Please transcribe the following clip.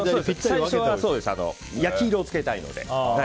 最初は焼き色をつけたいので。